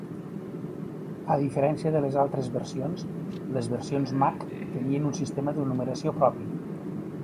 A diferència de les altres versions, les versions Mac tenien un sistema de numeració propi.